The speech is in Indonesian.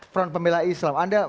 front pemilai islam